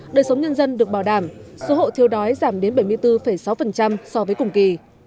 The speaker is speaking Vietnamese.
đời sống nhân dân được bảo đảm số hộ thiêu đói giảm đến bảy mươi bốn sáu so với cùng kỳ